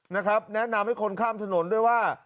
นะครับแนะนำให้คนข้ามถนนด้วยว่า